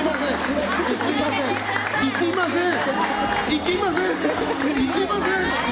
行きません。